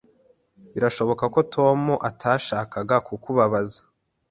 Birashoboka ko Tom atashakaga kukubabaza.